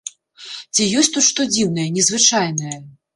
Ці ёсць тут што дзіўнае, незвычайнае?